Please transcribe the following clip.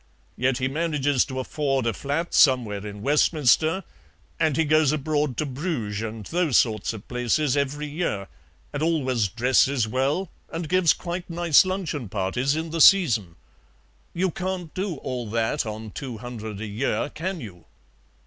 Yet he manages to afford a flat somewhere in Westminster, and he goes abroad to Bruges and those sorts of places every year, and always dresses well, and gives quite nice luncheon parties in the season. You can't do all that on two hundred a year, can you?"